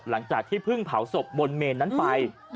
หลังจากที่เพิ่งเผาศพบนเมนนั้นไป